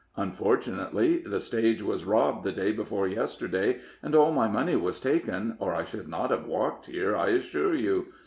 Unfortunately, the stage was robbed the day before yesterday, and all my money was taken, or I should not have walked here, I assure you.